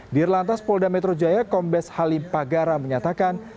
di lantas polda metro jaya kombes halim pagara menyatakan